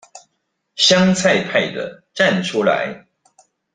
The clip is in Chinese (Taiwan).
香菜派的站出來